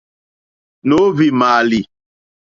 Nǒhwì mààlì.